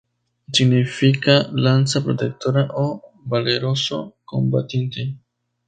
Significa "lanza protectora" o "valeroso combatiente".